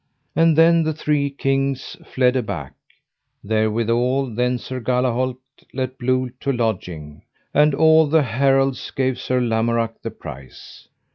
And then the three kings fled aback. Therewithal then Sir Galahalt let blow to lodging, and all the heralds gave Sir Lamorak the prize.